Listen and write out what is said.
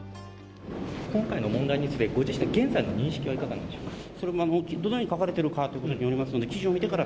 今回の問題について、ご自身の現在の認識はいかがでしょうか。